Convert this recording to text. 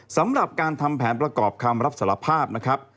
สำหรับการทำแผนประกอบคำรับสารภาพนะครับ